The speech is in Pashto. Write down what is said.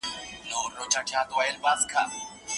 پخوا هیچا دا خبره نه ده کړې.